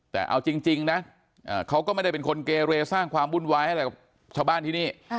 แต่เอาจริงนะเขาก็ไม่ได้เป็นคนเกเรสร้างความวุ่นวายให้อะไรกับชาวบ้านที่นี่